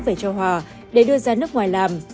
về cho hòa để đưa ra nước ngoài làm